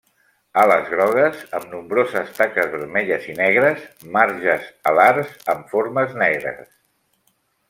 Ales grogues amb nombroses taques vermelles i negres; marges alars amb formes negres.